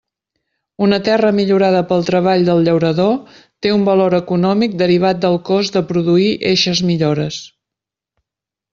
Una terra millorada pel treball del llaurador té un valor econòmic derivat del cost de produir eixes millores.